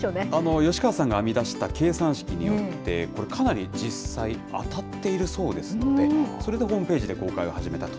吉川さんが編み出した計算式によって、これ、かなり実際、当たっているそうですので、それでホームページで公開を始めたと。